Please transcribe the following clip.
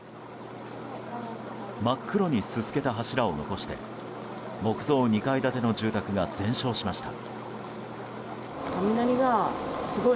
真っ黒にすすけた柱を残して木造２階建ての住宅が全焼しました。